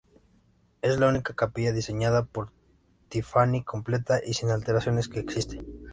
Es la única capilla diseñada por Tiffany completa y sin alteraciones que existe.